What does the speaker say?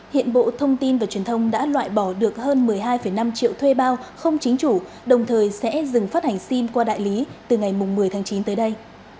hiện bộ thông tin và truyền thông đã loại bỏ được hơn một mươi hai năm triệu thuê bao không chính chủ đồng thời sẽ dừng phát hành sim qua đại lý từ ngày một mươi tháng chín tới đây